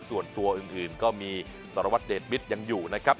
ส่วนตัวอื่นก็มีสารวัตรเดชมิตรยังอยู่นะครับ